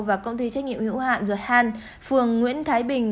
và công ty trách nhiệm hữu hạn the hand phường nguyễn thái bình